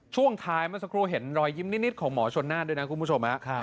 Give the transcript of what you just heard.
ช่วงท้ายเมื่อสักครู่เห็นรอยยิ้มนิดของหมอชนน่านด้วยนะคุณผู้ชม